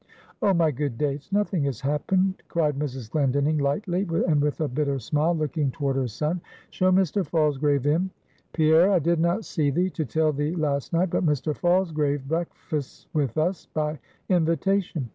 "Oh, my good Dates, nothing has happened," cried Mrs. Glendinning, lightly, and with a bitter smile, looking toward her son, "show Mr. Falsgrave in. Pierre, I did not see thee, to tell thee, last night; but Mr. Falsgrave breakfasts with us by invitation.